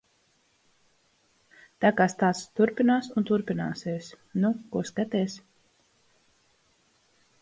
Tā kā stāsts turpinās un turpināsies. Nu ko skaties?